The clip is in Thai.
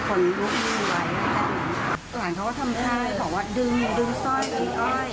มันก็บอกว่าได้ยิงอาม่าโป๊ะแล้วก็นอนอย่างนี้